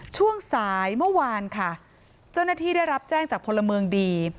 ช่วงสายเมื่อวานค่ะเจ้าหน้าที่ได้รับแจ้งจากพลเมืองดี